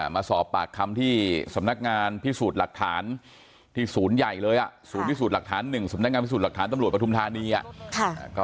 มาสอบปากคำที่สำนักงานพิสูจน์หลักฐานที่ศูนย์ใหญ่เลยศูนย์พิสูจน์หลักฐาน๑สำนักงานพิสูจน์หลักฐานตำรวจปฐุมธานี